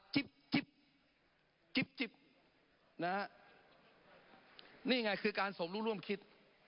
จิ๊บจิ๊บจิ๊บนะฮะนี่ไงคือการสมรู้ร่วมคิด